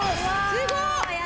すごっ！